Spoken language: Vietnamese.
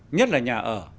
nhất là nhà ở